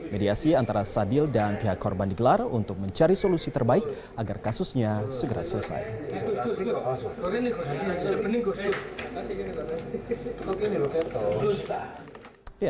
mediasi antara sadil dan pihak korban digelar untuk mencari solusi terbaik agar kasusnya segera selesai